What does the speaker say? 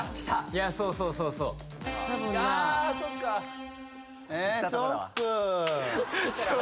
いやそうそうそうそうあ